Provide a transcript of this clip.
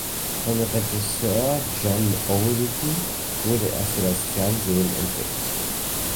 Von Regisseur John Olden wurde er für das Fernsehen entdeckt.